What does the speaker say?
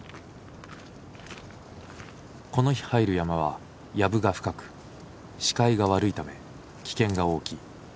この日入る山はやぶが深く視界が悪いため危険が大きい。